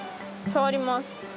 触ります。